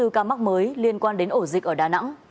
bốn trăm bốn mươi bốn ca mắc mới liên quan đến ổ dịch ở đà nẵng